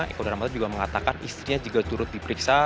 eko darmata juga mengatakan istrinya juga turut diperiksa